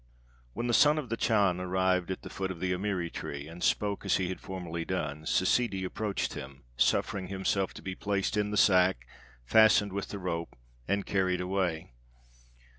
When the Son of the Chan arrived at the foot of the amiri tree, and spoke as he had formerly done, Ssidi approached him, suffered himself to be placed in the sack, fastened with the rope, and carried away.